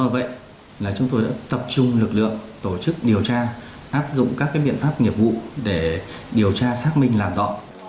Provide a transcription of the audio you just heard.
vậy là chúng tôi đã tập trung lực lượng tổ chức điều tra áp dụng các cái viện pháp nhiệm vụ để điều tra xác minh làm rõ